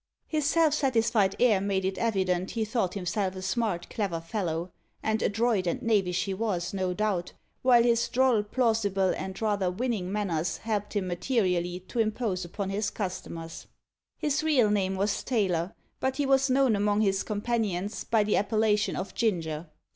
His self satisfied air made it evident he thought himself a smart, clever fellow, and adroit and knavish he was, no doubt, while his droll, plausible, and rather winning manners helped him materially to impose upon his customers. His real name was Taylor, but he was known among his companions by the appellation of Ginger.